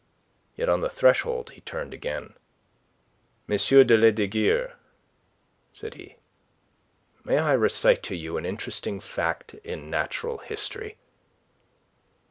Yet on the threshold he turned again. "M. de Lesdiguieres," said he, "may I recite to you an interesting fact in natural history?